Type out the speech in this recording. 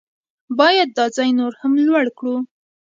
باید دا ځای نور هم لوړ کړو.